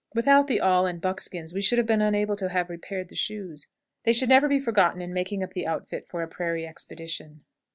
Without the awl and buckskins we should have been unable to have repaired the shoes. They should never be forgotten in making up the outfit for a prairie expedition.